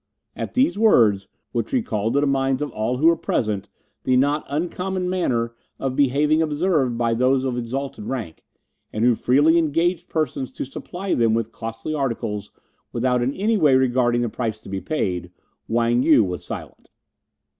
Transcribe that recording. At these words, which recalled to the minds of all who were present the not uncommon manner of behaving observed by those of exalted rank, who freely engaged persons to supply them with costly articles without in any way regarding the price to be paid, Wang Yu was silent.